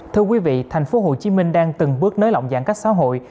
thưa quý vị thành phố hồ chí minh đang từng bước nới lỏng giãn cách xã hội